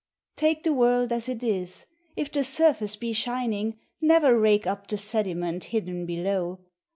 Take the world as it is!— if the surface be shin ing. Ne'er rake up the sediment hidden below!